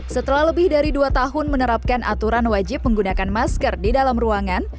setelah lebih dari dua tahun menerapkan aturan wajib menggunakan masker di dalam ruangan